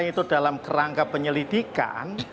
itu dalam kerangka penyelidikan